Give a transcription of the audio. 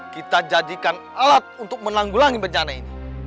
kita jadikan alat untuk menanggulangi bencana ini